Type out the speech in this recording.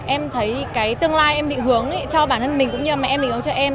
em thấy cái tương lai em định hướng cho bản thân mình cũng như mà em mình hướng cho em